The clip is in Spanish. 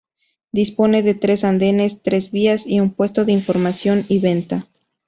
Dispone de tres andenes, tres vías y un puesto de información y venta.